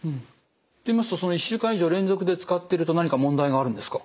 といいますと１週間以上連続で使っていると何か問題があるんですか？